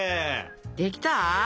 できた？